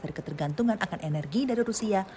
dari ketergantungan akan energi dari rusia